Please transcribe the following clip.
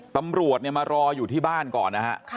ตำรวจมารออยู่ที่บ้านก่อนนะฮะ